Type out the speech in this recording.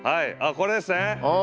これですね。